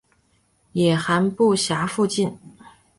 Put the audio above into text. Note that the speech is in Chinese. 野寒布岬附近。